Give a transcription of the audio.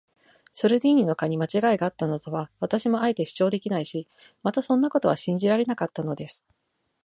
ソルディーニの課にまちがいがあったなどとは、私もあえて主張できないし、またそんなことは信じられなかったのです。